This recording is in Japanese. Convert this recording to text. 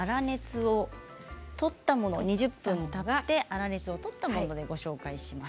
２０分たって粗熱を取ったものでご紹介します。